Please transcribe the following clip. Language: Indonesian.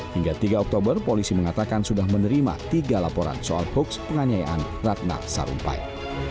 hingga tiga oktober polisi mengatakan sudah menerima tiga laporan soal hoax penganiayaan ratna sarumpait